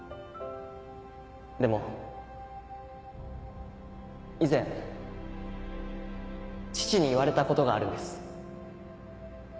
でも以前父に言われたことがあるんです。